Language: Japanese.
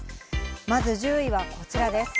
まず１０位はこちらです。